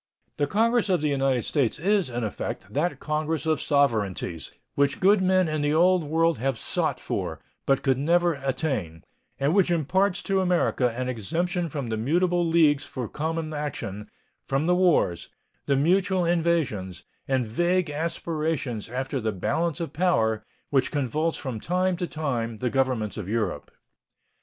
The Congress of the United States is in effect that congress of sovereignties which good men in the Old World have sought for, but could never attain, and which imparts to America an exemption from the mutable leagues for common action, from the wars, the mutual invasions, and vague aspirations after the balance of power which convulse from time to time the Governments of Europe.